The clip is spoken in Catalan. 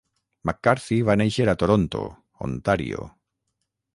McCarthy va néixer a Toronto, Ontario.